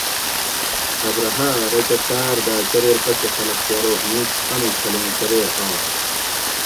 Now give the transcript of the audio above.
ابرھہ ا رۤکہ ٹاۤر داۤ چرور پشی خلق کہ ارو ھِینک امی چھلیں چریر آش